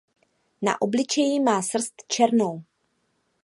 Na obličeji má srst černou.